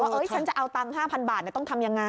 ว่าฉันจะเอาตังค์๕๐๐๐บาทต้องทำอย่างไร